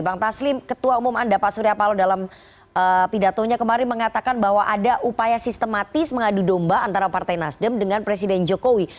bang taslim ketua umum anda pak surya paloh dalam pidatonya kemarin mengatakan bahwa ada upaya sistematis mengadu domba antara partai nasdem dengan presiden jokowi